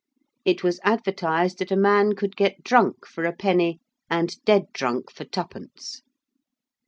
It was advertised that a man could get drunk for a penny and dead drunk for twopence.